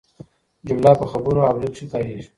جمله په خبرو او لیک کښي کاریږي.